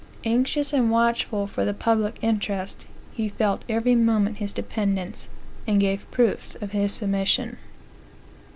Anxious and watchful for the public interest, he felt every moment his dependence, and gave proofs of his suhmission.